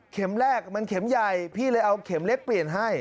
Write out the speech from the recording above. แรกมันเข็มใหญ่พี่เลยเอาเข็มเล็กเปลี่ยนให้